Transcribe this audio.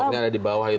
stoknya ada di bawah itu